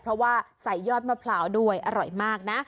เพราะว่าใส่ยอดมะพร้าวด้วยอร่อยมากนะ